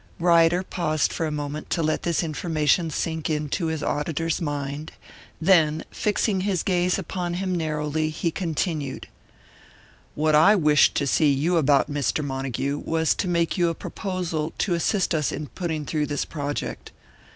Ryder paused for a moment, to let this information sink into his auditor's mind; then, fixing his gaze upon him narrowly, he continued: "What I wished to see you about, Mr. Montague, was to make you a proposal to assist us in putting through this project.